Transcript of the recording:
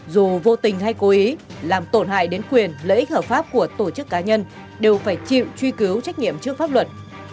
dù vô tình hay cố ý làm tổn hại đến quyền lợi ích hợp pháp của tổ chức cá nhân đều phải chịu truy cứu trách nhiệm trước pháp luật